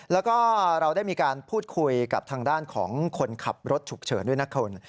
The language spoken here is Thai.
แล้วก็เราได้มีการพูดคุยกับทางด้านของคนขับรถฉุกเฉินด้วยนะคุณ